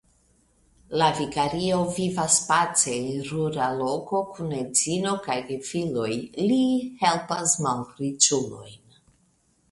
La vikario vivas pace en rura loko kun edzino kaj gefiloj; li helpas malriĉulojn.